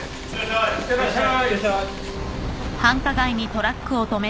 いってらっしゃい。